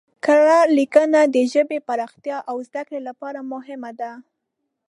کره لیکنه د ژبې پراختیا او زده کړې لپاره مهمه ده.